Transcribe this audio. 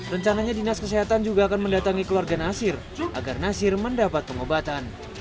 rencananya dinas kesehatan juga akan mendatangi keluarga nasir agar nasir mendapat pengobatan